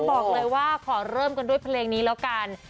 บอกเลยว่าขอเริ่มกันด้วยเพลงนี้แล้วกัน